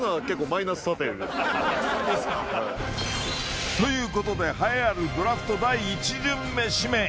マイナス査定ですかということで栄えあるドラフト第１巡目指名